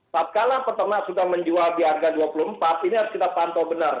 saat kalah peternak sudah menjual di harga dua puluh empat ini harus kita pantau benar